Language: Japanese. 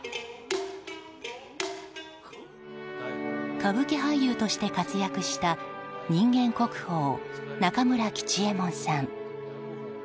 歌舞伎俳優として活躍した人間国宝・中村吉右衛門さん。